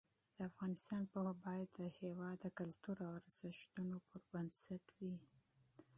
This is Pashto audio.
د افغانستان پوهه باید د هېواد د کلتور او ارزښتونو پر بنسټ وي.